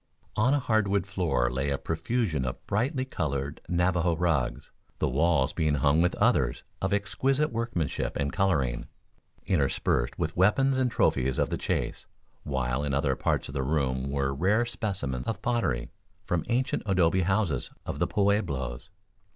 On a hardwood floor lay a profusion of brightly colored Navajo rugs, the walls being hung with others of exquisite workmanship and coloring, interspersed with weapons and trophies of the chase, while in other parts of the room were rare specimens of pottery from ancient adobe houses of the Pueblos.